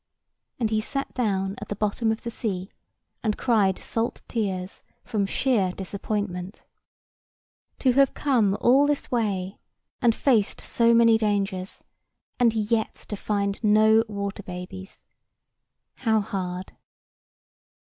And he sat down at the bottom of the sea, and cried salt tears from sheer disappointment. To have come all this way, and faced so many dangers, and yet to find no water babies! How hard!